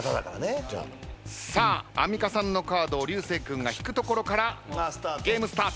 アンミカさんのカードを流星君が引くところからゲームスタート。